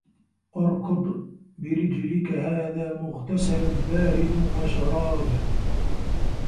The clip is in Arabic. اركُض بِرِجلِكَ هذا مُغتَسَلٌ بارِدٌ وَشَرابٌ